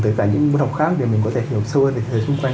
tới cả những môn học khác để mình có thể hiểu sâu hơn về thế xung quanh